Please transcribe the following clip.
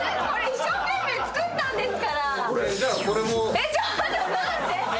一生懸命作ったんですから。